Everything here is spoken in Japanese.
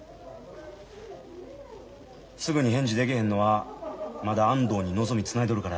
すぐに返事でけへんのはまだ安藤に望みつないどるからやろ。